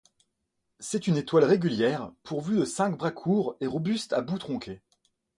C'est une étoile régulière, pourvue de cinq bras courts et robustes à bout tronqué.